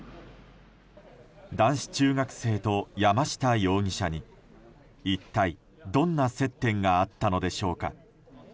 男子中学生と山下容疑者に一体、どんな接点があったのでしょうか。